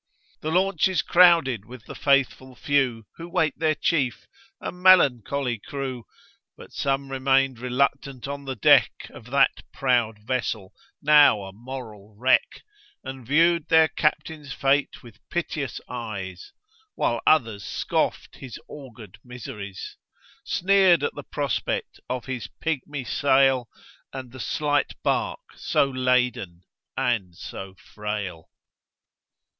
The launch is crowded with the faithful few Who wait their Chief a melancholy crew: But some remained reluctant on the deck Of that proud vessel, now a moral wreck And view'd their Captain's fate with piteous eyes; While others scoff'd his augur'd miseries, Sneer'd at the prospect of his pigmy sail, And the slight bark so laden and so frail.